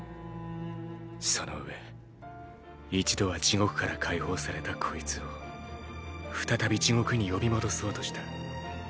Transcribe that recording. そのうえ一度は地獄から解放されたこいつを再び地獄に呼び戻そうとした。